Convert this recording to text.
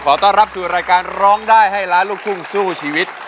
ต้อนรับสู่รายการร้องได้ให้ล้านลูกทุ่งสู้ชีวิต